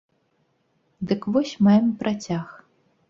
Дык вось, маем працяг.